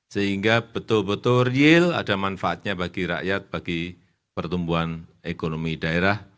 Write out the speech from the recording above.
sehingga betul betul real ada manfaatnya bagi rakyat bagi pertumbuhan ekonomi daerah